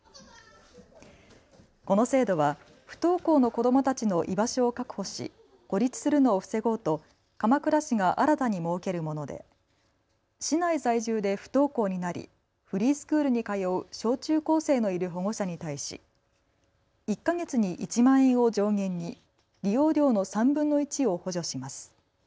この制度は不登校の子どもたちの居場所を確保し孤立するのを防ごうと鎌倉市が新たに設けるもので市内在住で不登校になりフリースクールに通う小中高生のいる保護者に対し１か月に１万円を上限に利用料の３分の１を補助します。